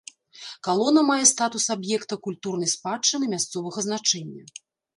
Калона мае статус аб'екта культурнай спадчыны мясцовага значэння.